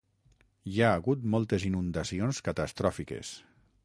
Hi ha hagut moltes inundacions catastròfiques.